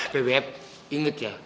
bebep inget ya